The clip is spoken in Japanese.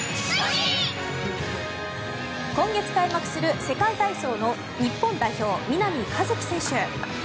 今月開幕する世界体操の日本代表、南一輝選手。